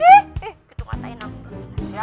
eh kedua mata enak